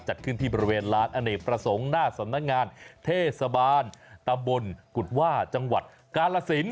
จัดขึ้นที่บริเวณลานอเนกประสงค์หน้าสำนักงานเทศบาลตำบลกุฎว่าจังหวัดกาลสิน